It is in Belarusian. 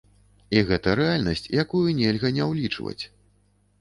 І гэта рэальнасць, якую нельга не ўлічваць.